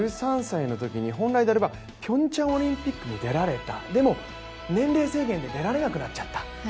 １３歳のときに、本来であればピョンチャンオリンピックに出られた、でも年齢制限で出られなくなっちゃった